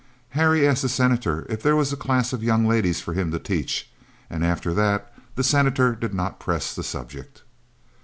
Harry asked the Senator if there was a class of young ladies for him to teach, and after that the Senator did not press the subject.